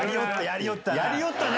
やりよったな！